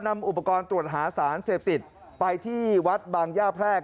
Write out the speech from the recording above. นำอุปกรณ์ตรวจหาสารเสพติดไปที่วัดบางย่าแพรก